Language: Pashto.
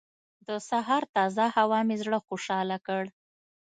د سهار تازه هوا مې زړه خوشحاله کړ.